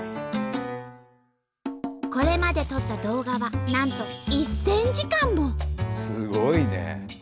これまで撮った動画はなんとすごいね！